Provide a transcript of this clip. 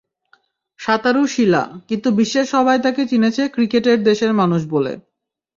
সাঁতারু শিলা, কিন্তু বিশ্বের সবাই তাঁকে চিনেছে ক্রিকেটের দেশের মানুষ বলে।